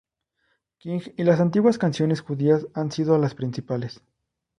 King y las antiguas canciones judías han sido las principales.